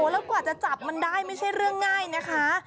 แล้วกว่าจะจับมันได้ไม่ใช่เรื่องง่ายนะคะ